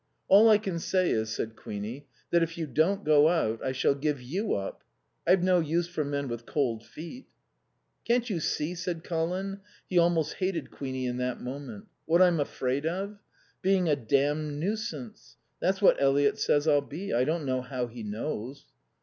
"All I can say is," said Queenie, "that if you don't go out I shall give you up. I've no use for men with cold feet." "Can't you see," said Colin (he almost hated Queenie in that moment), "what I'm afraid of? Being a damned nuisance. That's what Eliot says I'll be. I don't know how he knows."